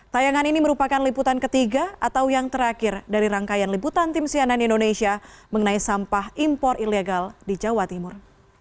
tayangan ini merupakan liputan ketiga atau yang terakhir dari rangkaian liputan tim sianan indonesia mengenai sampah impor ilegal di jawa timur